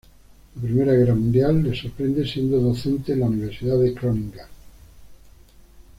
La I Guerra mundial le sorprende siendo docente en la Universidad de Groninga.